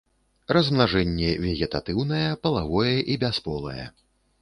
Размнажэнне вегетатыўнае, палавое і бясполае.